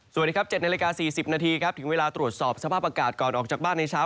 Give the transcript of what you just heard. สวัสดีครับ๗นาฬิกา๔๐นาทีครับถึงเวลาตรวจสอบสภาพอากาศก่อนออกจากบ้านในเช้า